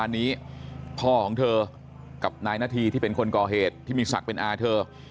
อันนี้พ่อของเธอกับนายนาธีที่เป็นคนก่อเหตุที่มีศักดิ์เป็นอาเธอ